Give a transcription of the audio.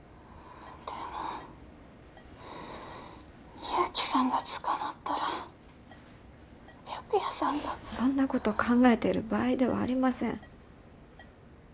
でも勇気さんが捕まったら白夜さんが。そんなこと考えている場合ではありません。